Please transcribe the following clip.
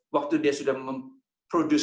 waktu dia sudah memproduksi